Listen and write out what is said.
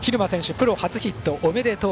プロ初ヒットおめでとう。